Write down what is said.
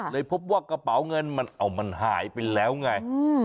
พบว่ากระเป๋าเงินมันเอามันหายไปแล้วไง